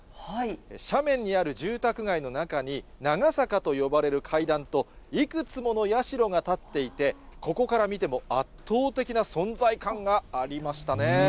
斜面にある住宅街の中に、長坂と呼ばれる階段と、いくつもの社が建っていて、ここから見ても圧倒的な存在感がありましたね。